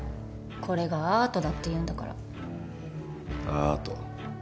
これがアートだっていうんだからアート？